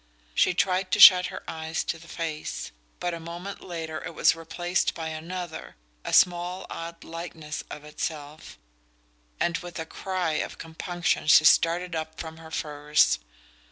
She tried to shut her eyes to the face; but a moment later it was replaced by another, a small odd likeness of itself; and with a cry of compunction she started up from her furs.